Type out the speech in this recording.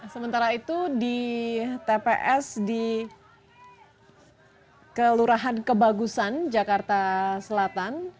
sementara itu di tps di kelurahan kebagusan jakarta selatan